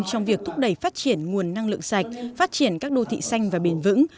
trong việc thúc đẩy phát triển nguồn năng lượng sạch phát triển các đô thị xanh và bền vững